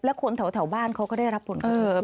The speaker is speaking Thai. และคนแถวบ้านเขาก็ได้รับผลกระทบ